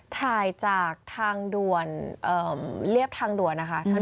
ถ่ายจากทางด่วนเรียบทางด่วนนะคะ